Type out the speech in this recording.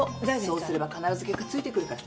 そうすれば必ず結果ついてくるから。